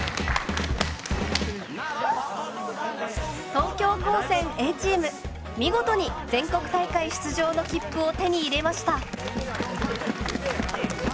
東京高専Ａチーム見事に全国大会出場の切符を手に入れました。